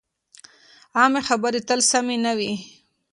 عامې خبرې تل سمې نه وي.